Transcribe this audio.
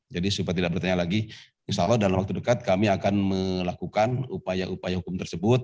jadi sebaiknya tidak bertanya lagi insya allah dalam waktu dekat kami akan melakukan upaya upaya hukum tersebut